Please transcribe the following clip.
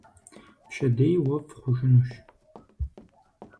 Пщэдей уэфӀ хъужынущ.